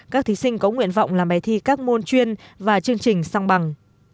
các thí sinh có nguyện vọng làm bài thi các môn chuyên và chương trình song bằng